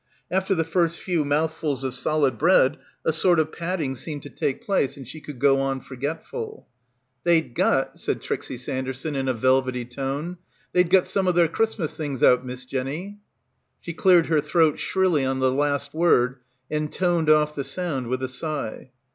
After the first few mouthfuls of solid bread a sort of padding seemed to take place and she could go on forgetful. "They'd got," said Trixie Sanderson in a velvety tone, "they'd got some of their Christ mas things out, Miss Jenny." She cleared her throat shrilly on the last word and toned off the sound with a sigh.